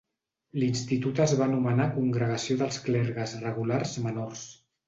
L'institut es va anomenar Congregació dels Clergues Regulars Menors.